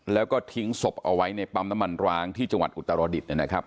แล้วก็ทิ้งศพเอาไว้ในปั๊มน้ำมันร้างที่จังหวัดอุตรดิษฐ์นะครับ